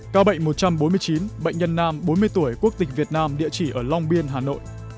ca bệnh một trăm bốn mươi chín bệnh nhân nam bốn mươi tuổi quốc tịch việt nam địa chỉ ở long biên hà nội